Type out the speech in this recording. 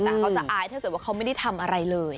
แต่เขาจะอายถ้าเกิดว่าเขาไม่ได้ทำอะไรเลย